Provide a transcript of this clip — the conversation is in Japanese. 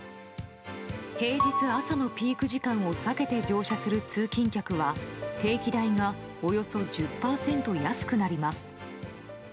平日朝のピーク時間を避けて乗車する通勤客は定期代がおよそ１０％安くなります。